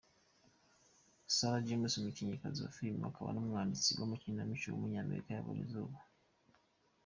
Sarah Jones, mumukinnyikazi wa filime akaba n’umwanditsi w’amakinamico w’umunyamerika yabonye izuba.